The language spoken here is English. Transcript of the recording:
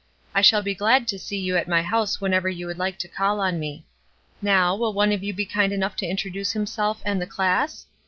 I shall be glad to see you at my house whenever you would like to call on me. Now, will one of you be kind enough to introduce himself and the class?